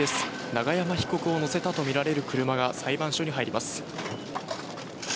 永山被告を乗せたとみられる車が裁判所に入ります。